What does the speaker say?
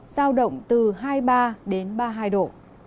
giao động từ hai mươi ba đến ba mươi hai độ